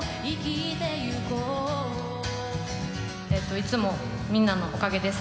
いつもみんなのおかげです。